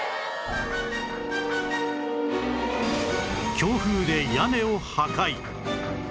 強風で屋根を破壊